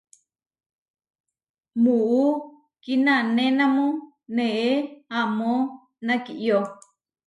Muú kinanénamu neé amó nakiyó.